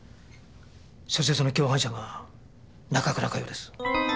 そしてその共犯者が中倉佳世です。